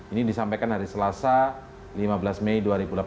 ini disampaikan hari selasa lima belas mei dua ribu delapan belas